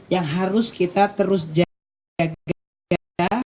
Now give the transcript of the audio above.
yang harus kita terus jaga